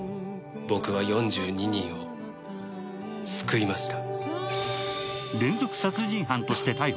僕は４２人を救いました。